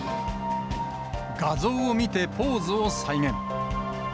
画像を見てポーズを再現。